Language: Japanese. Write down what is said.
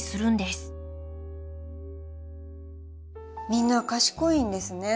みんな賢いんですね。